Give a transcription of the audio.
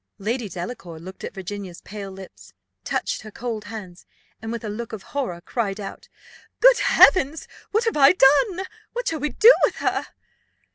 Lady Delacour looked at Virginia's pale lips, touched her cold hands, and with a look of horror cried out, "Good Heavens! what have I done? What shall we do with her?"